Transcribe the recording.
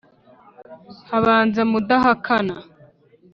Habanza Mudahakana